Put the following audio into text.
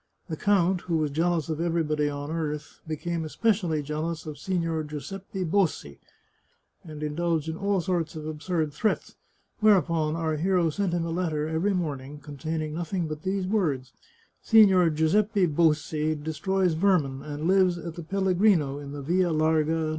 The count, who was jealous of everybody on earth, became especially jealous of Signor Giuseppe Bossi, and indulged in all sorts of absurd threats, whereupon our hero sent him a letter every morn ing containing nothing but these words :" Sigtior Giuseppe Bossi destroys vermin, and lives at the Pellegrino, in the Via Larga, No.